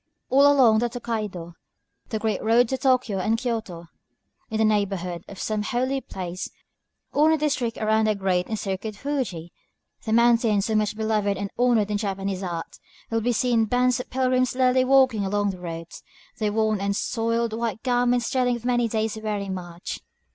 All along the Tōkaidō, the great road from Tōkyō to Kyōto, in the neighborhood of some holy place, or in the district around the great and sacred Fuji, the mountain so much beloved and honored in Japanese art, will be seen bands of pilgrims slowly walking along the road, their worn and soiled white garments telling of many days' weary march.